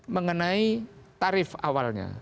mengenai tarif awalnya